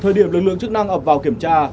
thời điểm lực lượng chức năng ập vào kiểm tra